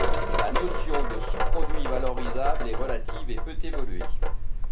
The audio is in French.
La notion de sous-produit valorisable est relative et peut évoluer.